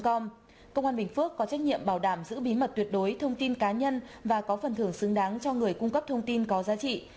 công an bình phước có trách nhiệm bảo đảm giữ bí mật tuyệt đối thông tin cá nhân và có phần thưởng xứng đáng cho người cung cấp thông tin có giá trị